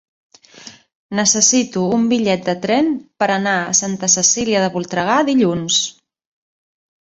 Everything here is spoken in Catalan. Necessito un bitllet de tren per anar a Santa Cecília de Voltregà dilluns.